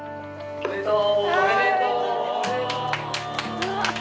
おめでとう。